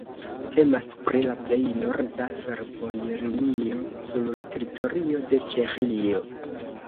Temas pri la plej norda fervojlinio sur la teritorio de Ĉeĥio.